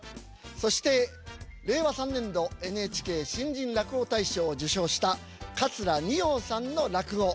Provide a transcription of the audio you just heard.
そして令和３年度ＮＨＫ新人落語大賞を受賞した桂二葉さんの落語。